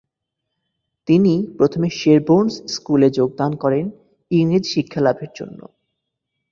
তিনি প্রথমে শেরবোর্নস স্কুলে যোগদান করেন ইংরেজি শিক্ষালাভের জন্য।